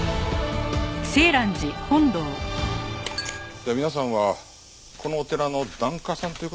では皆さんはこのお寺の檀家さんという事ですか？